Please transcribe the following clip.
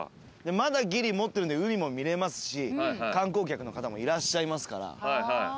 まだギリもってるんで海も見れますし観光客の方もいらっしゃいますから。